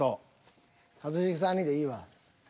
一茂さんにでいいわ。